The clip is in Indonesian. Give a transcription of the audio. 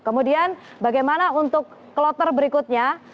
kemudian bagaimana untuk kloter berikutnya